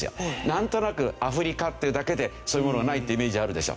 なんとなくアフリカってだけでそういうものがないってイメージあるでしょ？